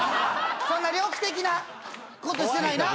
そんな猟奇的なことしてないな。